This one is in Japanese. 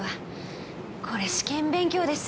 これ試験勉強です。